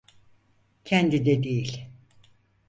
Kendinde değil.